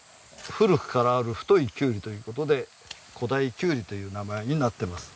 古くからある太いキュウリという事で古太きゅうりという名前になっています。